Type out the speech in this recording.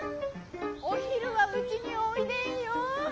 お昼はうちにおいでんよ。